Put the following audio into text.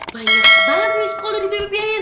banyak banget miss call dari bebek pianin